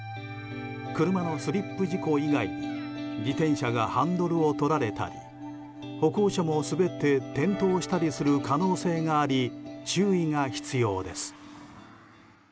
車のスリップ事故以外に自転車がハンドルを取られたり歩行者も滑って転倒したりする可能性があり注意が必要です。